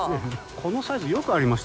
このサイズよくありましたね。